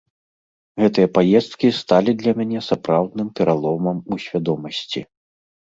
Гэтыя паездкі сталі для мяне сапраўдным пераломам у свядомасці.